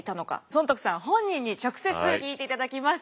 尊徳さん本人に直接聞いていただきます。